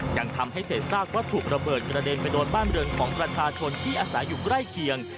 ยังทำให้เสร็จทราบว่าถุประเบิดกระเด็นไปโดนบ้านเรือนของประชาชนที่อาศาอยู่ใกล้เคียง